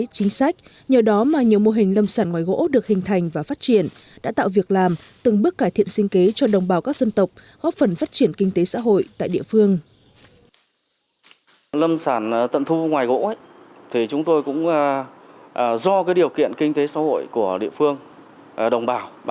chính sách nhờ đó mà nhiều mô hình lâm sản ngoài gỗ được hình thành và phát triển đã tạo việc làm từng bước cải thiện sinh kế cho đồng bào các dân tộc góp phần phát triển kinh tế xã hội tại địa phương